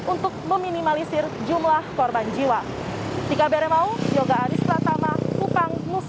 untuk meminimalisir jumlah korban jiwa